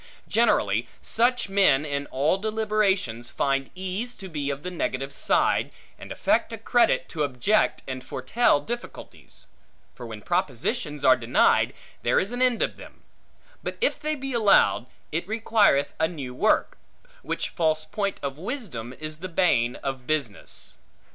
Generally, such men in all deliberations find ease to be of the negative side, and affect a credit to object and foretell difficulties; for when propositions are denied, there is an end of them; but if they be allowed, it requireth a new work; which false point of wisdom is the bane of business.